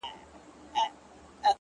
بابولاره وروره راسه تې لار باسه!!